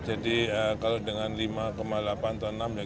jadi kalau dengan rp lima delapan triliun atau rp enam delapan triliun